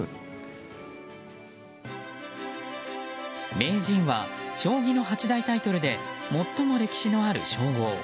名人は将棋の八大タイトルで最も歴史のある称号。